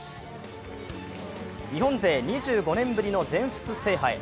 日本勢２５年ぶりの全仏制覇へ。